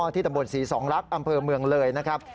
ที่ตำบลศรีสองลักษณ์อำเภอเมืองเลยนะครับ